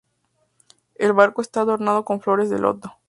El barco está adornado con flores de loto.